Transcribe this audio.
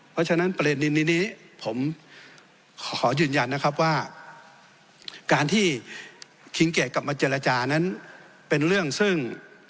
เพราะฉะนั้นประเด็นนี้ผมขอยืนยันนะครับว่าการที่คิงเกดกลับมาเจรจานั้นเป็นเรื่องซึ่ง